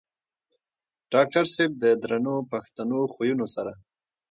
ډاکټر صېب د درنو پښتنو خويونو سره